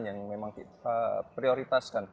yang memang kita prioritaskan